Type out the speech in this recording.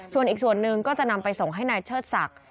ส่วนอีกส่วนหนึ่งก็จะนำไปส่งให้นายเชิดศักดิ์